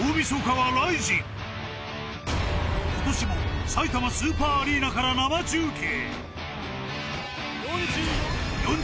［ことしもさいたまスーパーアリーナから生中継］